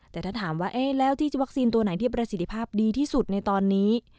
แต่ถ้าถามว่าเอ๊ะแล้วที่วัคซีนตัวไหนที่ประสิทธิภาพดีที่สุดในตอนนี้